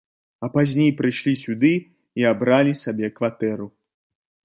А пазней прыйшлі сюды і абралі сабе кватэру.